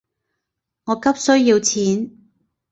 我急需要錢